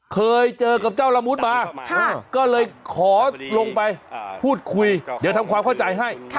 เคยเจอกับเจ้าละมุดมาก็เลยขอลงไปพูดคุยเดี๋ยวทำความเข้าใจให้